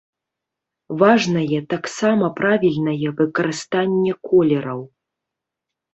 Важнае таксама правільнае выкарыстанне колераў.